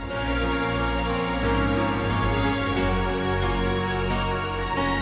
kenapa tadi nathan tiba tiba matiin teleponnya ya